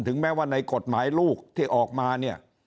แม้ว่าในกฎหมายลูกที่ออกมาเนี่ย